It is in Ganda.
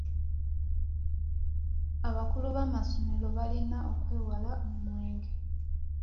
Abakulu b'amasomero balina okwewala omwenge.